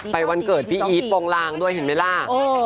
วันเกิดพี่อีทโปรงลางด้วยเห็นไหมล่ะ